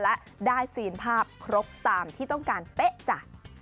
และได้ซีนภาพครบตามที่ต้องการเป๊ะจ้ะ